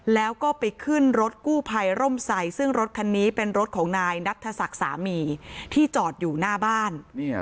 แล้วก็ไปขึ้นรถกู้ภัยร่มใส่ซึ่งรถคันนี้เป็นรถของนายนัทศักดิ์สามีที่จอดอยู่หน้าบ้าน